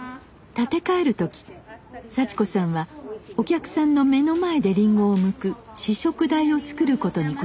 建て替える時幸子さんはお客さんの目の前でりんごをむく試食台を作ることにこだわりました。